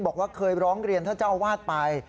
บอกว่าเคยร้องเรียนท่านเจ้าอาวาสไป